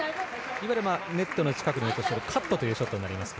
今のはネットの近くに落とすというカットというショットになります。